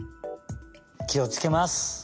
きをつけます。